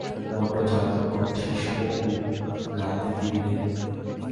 বড্ড জ্বালাতন কচ্চিস অপু-রাঁধতে দিবিনে?